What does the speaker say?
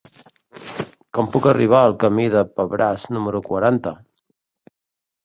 Com puc arribar al camí del Pebràs número quaranta?